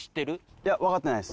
いやわかってないです。